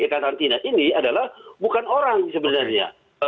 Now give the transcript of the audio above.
karantina ini adalah bukan orang sebenarnya